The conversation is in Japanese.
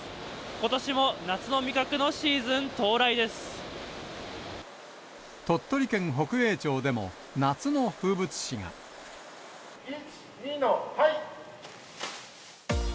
ことしも夏の味覚のシーズン到来鳥取県北栄町でも、夏の風物１、２のはい。